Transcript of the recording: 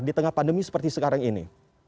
di tengah pandemi seperti sekarang ini